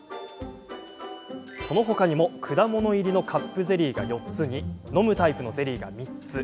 そのほかにも、果物入りのカップゼリーが４つに飲むタイプのゼリーが３つ。